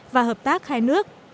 và hợp tác hai nước